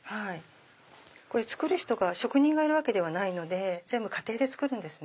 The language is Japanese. これ作る人が職人がいるわけではないので全部家庭で作るんですね